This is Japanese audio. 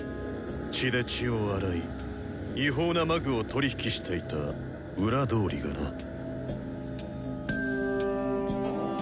血で血を洗い違法な魔具を取り引きしていた裏通りがな。